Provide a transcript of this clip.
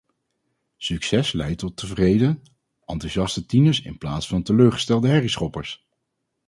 Succes leidt tot tevreden, enthousiaste tieners in plaats van teleurgestelde herrieschoppers.